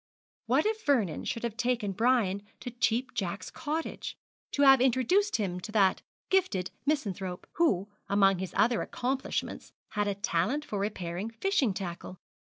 What if Vernon should have taken Brian to Cheap Jack's cottage, to have introduced him to that gifted misanthrope, who, among his other accomplishments, had a talent for repairing fishing tackle?